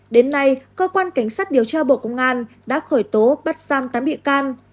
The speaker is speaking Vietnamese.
đến nay cơ quan cảnh sát điều tra bộ công an đã khởi tố bắt giam tám bị can